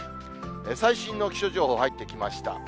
最新の気象情報、入ってきました。